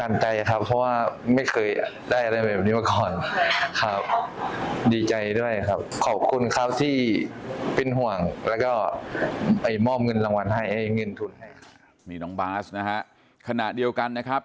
นี่น้องบาสนะครับขณะเดียวกันนะครับ